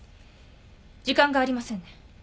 時間がありませんね。